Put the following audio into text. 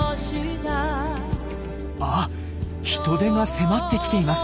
あっヒトデが迫ってきています。